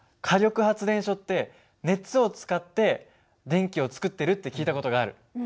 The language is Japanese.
火力発電所って熱を使って電気を作ってるって聞いた事がある。